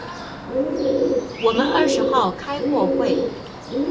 我們二十號開過會